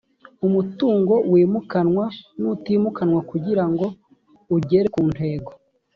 umutungo wimukanwa nutimukanwa kugira ngo ugere ku ntego